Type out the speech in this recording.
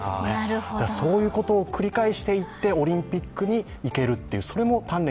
そういうことを繰り返していってオリンピックに行けるという睡眠サポート「グリナ」